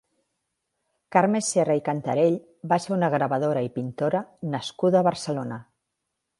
Carme Serra i Cantarell va ser una gravadora i pintora nascuda a Barcelona.